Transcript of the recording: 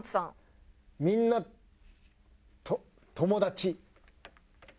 「みんな友達」。